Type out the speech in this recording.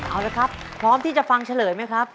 เอาละครับพร้อมที่จะฟังเฉลยไหมครับ